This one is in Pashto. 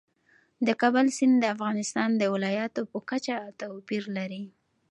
د کابل سیند د افغانستان د ولایاتو په کچه توپیر لري.